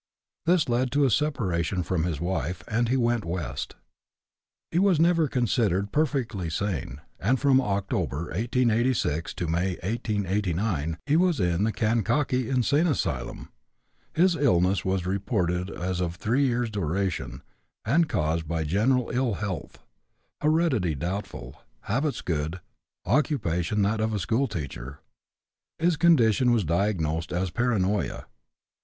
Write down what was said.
This led to a separation from his wife, and he went West. He was never considered perfectly sane, and from October, 1886, to May, 1889 he was in the Kankakee Insane Asylum. His illness was reported as of three years' duration, and caused by general ill health; heredity doubtful, habits good, occupation that of a schoolteacher. His condition was diagnosed as paranoia.